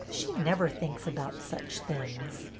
She never thinks about such things."